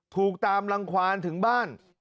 ถูกตามรังควานถึงบ้าน